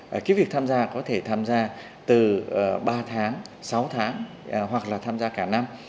và cái việc tham gia có thể tham gia từ ba tháng sáu tháng hoặc là tham gia cả năm